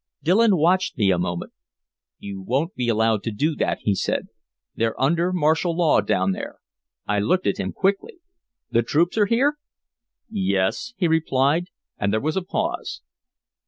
Dillon watched me a moment. "You won't be allowed to do that," he said. "They're under martial law down there." I looked up at him quickly: "The troops are here?" "Yes," he replied, and there was a pause.